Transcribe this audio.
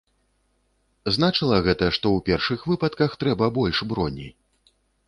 Значыла гэта, што ў першых выпадках трэба больш броні?